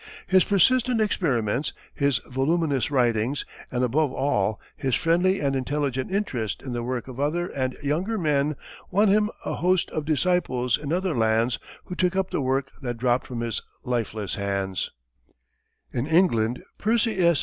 His persistent experiments, his voluminous writings, and above all his friendly and intelligent interest in the work of other and younger men won him a host of disciples in other lands who took up the work that dropped from his lifeless hands. [Illustration: Lilienthal's Glider.] In England Percy S.